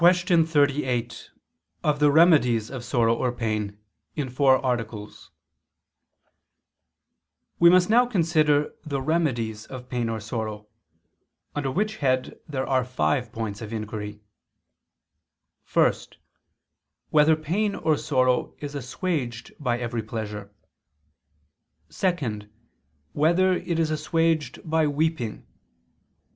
________________________ QUESTION 38 OF THE REMEDIES OF SORROW OR PAIN (In Four Articles) We must now consider the remedies of pain or sorrow: under which head there are five points of inquiry: (1) Whether pain or sorrow is assuaged by every pleasure? (2) Whether it is assuaged by weeping?